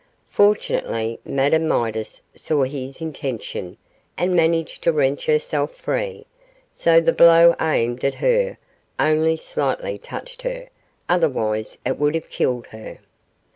Fortunately, Madame Midas saw his intention, and managed to wrench herself free, so the blow aimed at her only slightly touched her, otherwise it would have killed her.